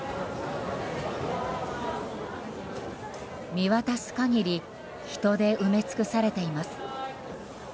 見渡す限り人で埋め尽くされています。